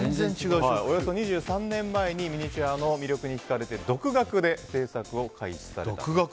およそ２３年前にミニチュアの魅力に引かれて独学で制作を開始されたと。